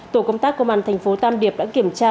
tổ công tác công an tp tam điệp đã kiểm tra